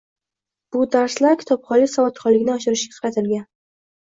Bu darslar kitobxonlik savodxonligini oshirishga qaratilgan.